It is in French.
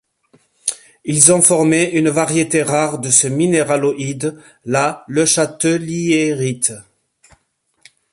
Ils ont formé une variété rare de ce minéraloïde, la lechateliérite.